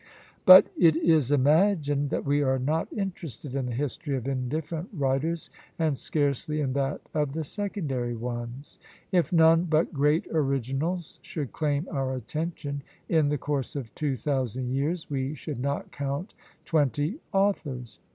But it is imagined that we are not interested in the history of indifferent writers, and scarcely in that of the secondary ones. If none but great originals should claim our attention, in the course of two thousand years we should not count twenty authors!